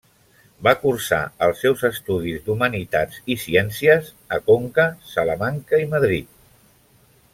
Va cursar els seus estudis d'Humanitats i Ciències a Conca, Salamanca i Madrid.